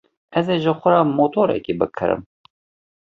Ez ê ji xwe re motorekî bikirim.